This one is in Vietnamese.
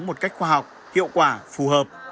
một cách khoa học hiệu quả phù hợp